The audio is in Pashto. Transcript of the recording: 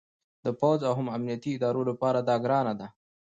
د پوځ او هم امنیتي ادارو لپاره دا ګرانه ده